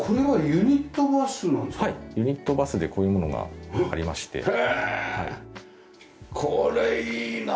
はいユニットバスでこういうものがありまして。